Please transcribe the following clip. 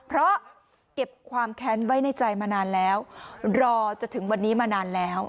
เพราะเก็บความแค้นไว้ในใจมานานแล้วรอจนถึงวันนี้มานานแล้ว